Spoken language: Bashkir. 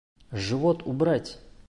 Живот убрать!